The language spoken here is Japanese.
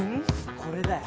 これだよ。